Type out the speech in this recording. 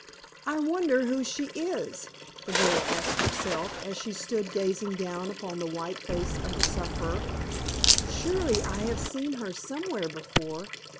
"I wonder who she is?" the girl asked herself, as she stood gazing down upon the white face of the sufferer. "Surely I have seen her somewhere before.